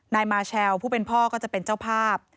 นายมาเชลผู้เป็นพ่อก็จะเป็นเจ้าภาพ